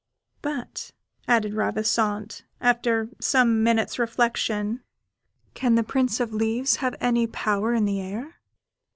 "But," added Ravissante, after some minutes' reflection, "can the Prince of Leaves have any power in the air?"